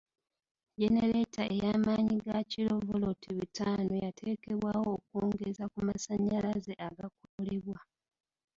Genereeta ey'amaanyi ga kilo voloti bitaano yateekebwawo okwongeza ku masanyalaze agakolebwa.